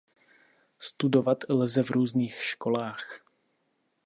Studovat lze v různých školách.